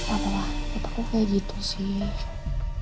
apa lah aku kayak gitu sih